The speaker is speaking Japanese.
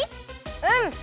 うん！